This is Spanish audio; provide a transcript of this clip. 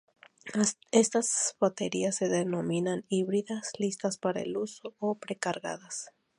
Estas baterías se denominan "híbridas", "listas-para-el-uso" o "pre-cargadas".